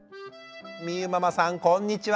みゆママさんこんにちは！